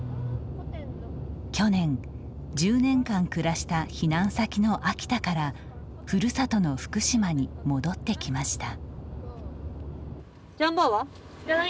去年、１０年間暮らした避難先の秋田からふるさとの福島に戻ってきました。